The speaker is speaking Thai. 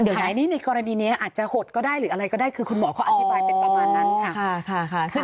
เดี๋ยวอันนี้ในกรณีนี้อาจจะหดก็ได้หรืออะไรก็ได้คือคุณหมอเขาอธิบายเป็นประมาณนั้นค่ะ